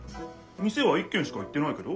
店は１けんしか行ってないけど？